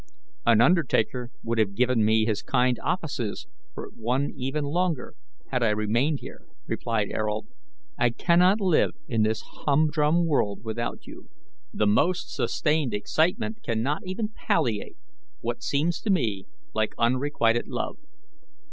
"An undertaker would have given me his kind offices for one even longer, had I remained here," replied Ayrault. "I cannot live in this humdrum world without you. The most sustained excitement cannot even palliate what seems to me like unrequited love."